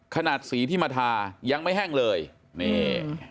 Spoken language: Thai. ขนาดสีที่มาทายังไม่แห้งเลยนี่